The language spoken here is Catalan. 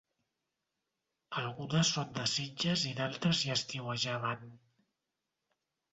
Algunes són de Sitges i d'altres hi estiuejaven.